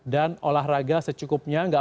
dan olahraga secukupnya